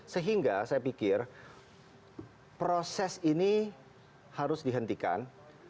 sehingga saya pikir proses ini harus dihentikan